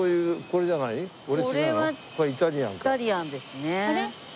これはイタリアンですね。